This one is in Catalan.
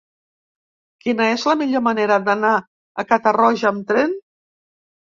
Quina és la millor manera d'anar a Catarroja amb tren?